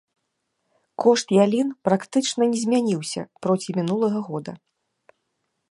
Кошт ялін практычна не змяніўся проці мінулага года.